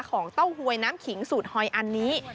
เต้าหวยน้ำขิงสูตรหอยอันนี้